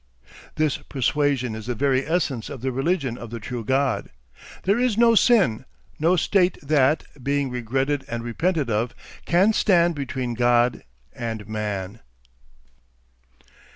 This persuasion is the very essence of the religion of the true God. There is no sin, no state that, being regretted and repented of, can stand between God and man.